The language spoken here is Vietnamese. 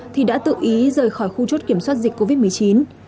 thì đã tự ý rời khỏi khu chốt kiểm soát dịch covid một mươi chín